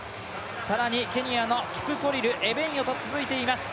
更にケニアのキプコリル、エベンヨと続いています。